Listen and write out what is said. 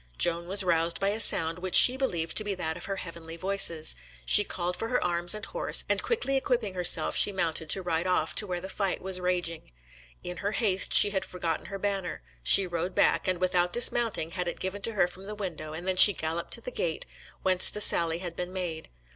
Joan was roused by a sound which she believed to be that of Her Heavenly Voices; she called for her arms and horse, and quickly equipping herself she mounted to ride off to where the fight was raging. In her haste she had forgotten her banner; she rode back, and, without dismounting, had it given to her from the window, and then she galloped to the gate, whence the sally had been made.